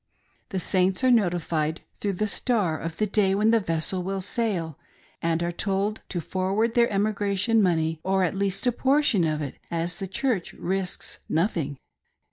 The Saints are notified through the Star of the day when the vessel will sail, and are told to forward their emigration money, or at least a portion of it ;— as the Church risks nothing.